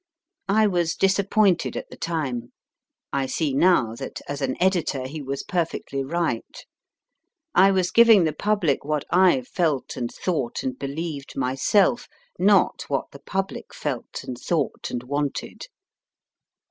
I was disappointed at the time. I see now that, as an editor, he was perfectly right ; I was giving the public what I felt and thought and believed myself, not what the public felt and thought and wanted.